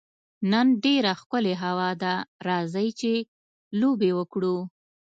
نن ډېره ښکلې هوا ده، راځئ چي لوبي وکړو.